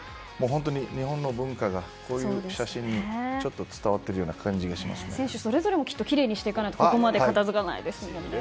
本当に日本の文化がこういう写真でちょっと伝わっているような選手それぞれもきれいにしないとここまで片付かないですもんね。